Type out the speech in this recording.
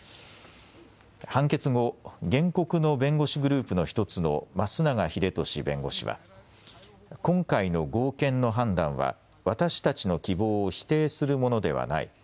判決後、原告の弁護士グループの１つの升永英俊弁護士は今回の合憲の判断は私たちの希望を否定するものではない。